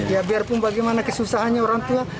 ya biarpun bagaimana kesusahannya orang tua